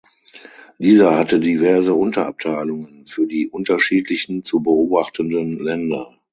Dieser hatte diverse Unterabteilungen für die unterschiedlichen zu beobachtenden Länder.